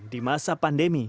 di masa pandemi